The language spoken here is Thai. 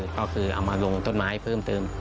ก็คือเอามาลงต้นไม้เพิ่มเติม